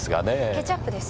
ケチャップです。